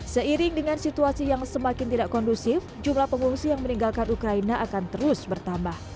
seiring dengan situasi yang semakin tidak kondusif jumlah pengungsi yang meninggalkan ukraina akan terus bertambah